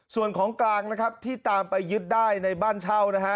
ส่วนของกลางที่ตามไปยึดได้ในบ้านเช่า